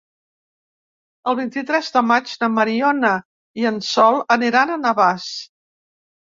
El vint-i-tres de maig na Mariona i en Sol aniran a Navàs.